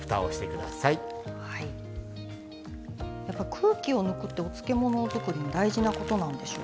空気を抜くってお漬物は特に大事なことなんでしょうか。